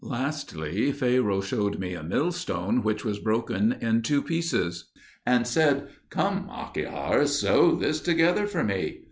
Lastly, Pharaoh showed me a millstone which was broken in two pieces, and said, "Come, Ahikar, sew this together for me."